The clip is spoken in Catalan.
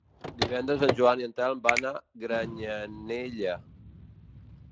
Divendres en Joan i en Telm van a Granyanella.